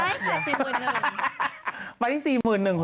ใช่สี่หมื่นหนึ่ง